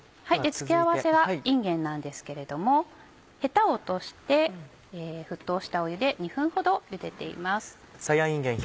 付け合わせはいんげんなんですけれどもヘタを落として沸騰した湯で２分ほどゆでています。